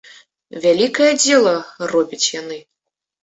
Вялікае дзела робяць яны.